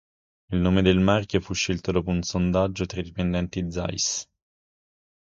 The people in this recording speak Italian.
Il nome del marchio fu scelto dopo un sondaggio tra i dipendenti Zeiss.